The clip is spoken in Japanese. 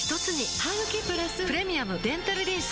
ハグキプラス「プレミアムデンタルリンス」